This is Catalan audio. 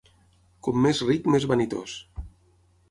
Com més ric, més vanitós.